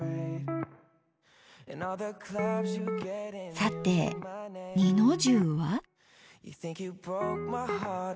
さて二の重は？